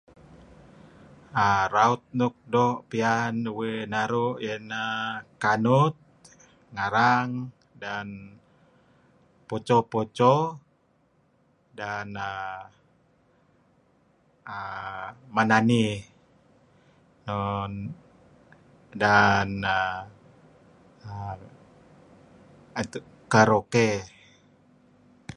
err Raut nuk do' piyan uih naru' iyeh ineh kanut , ngarang dan poco-poco dan err menani dan err karaoke.